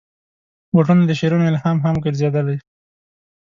بوټونه د شعرونو الهام هم ګرځېدلي.